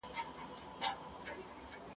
بزکشي ملي لوبه ده.